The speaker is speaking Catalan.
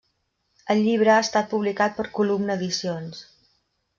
El llibre ha estat publicat per Columna Edicions.